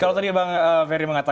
kalau saya berpendapat